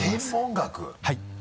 はい。